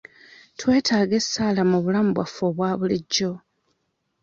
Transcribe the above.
Twetaaga essaala mu bulamu bwaffe obwa bulijjo.